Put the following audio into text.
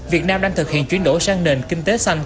việt nam đang thực hiện chuyển đổi sang nền kinh tế xanh